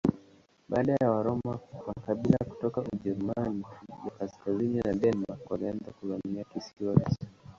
Baada ya Waroma makabila kutoka Ujerumani ya kaskazini na Denmark walianza kuvamia kisiwa hicho.